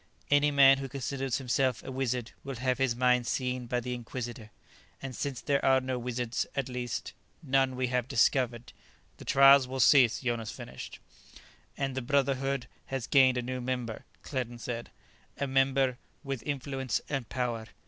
"Any man who considers himself a wizard will have his mind seen by the Inquisitor. And since there are no wizards at least, none we have discovered " "The trials will cease," Jonas finished. "And the Brotherhood has gained a new member," Claerten said. "A member with influence and power.